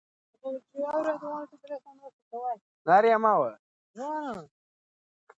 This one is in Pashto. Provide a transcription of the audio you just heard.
ناره یې وسوه.